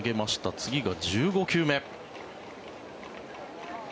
次が１５球目。